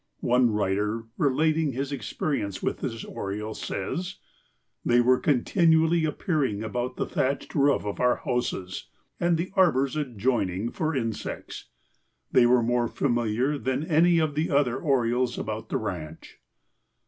One writer relating his experience with this Oriole says: "They were continually appearing about the thatched roof of our houses and the arbors adjoining for insects; they were more familiar than any of the other Orioles about the ranch."